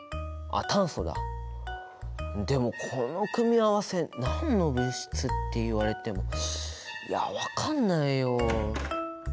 でもこの組み合わせ何の物質っていわれてもいや分かんないよ。